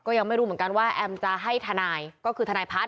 ยังไม่รู้เหมือนกันว่าแอมจะให้ทนายก็คือทนายพัฒน